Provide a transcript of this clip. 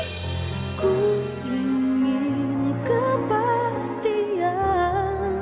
aku ingin kepastian